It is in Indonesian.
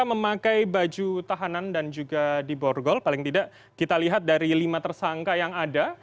memakai baju tahanan dan juga di borgol paling tidak kita lihat dari lima tersangka yang ada